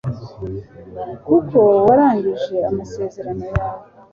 kuko warangije amasezerano yawe